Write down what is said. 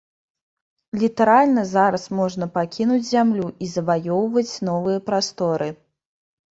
Літаральна зараз можна пакінуць зямлю і заваёўваць новыя прасторы.